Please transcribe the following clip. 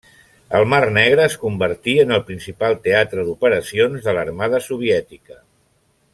El Mar Negre es convertí en el principal teatre d'operacions de l'Armada Soviètica.